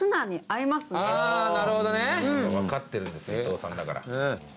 あぁなるほどね。分かってるんですよ伊藤さんだから。